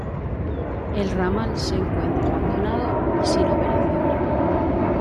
El ramal se encuentra abandonado y sin operaciones.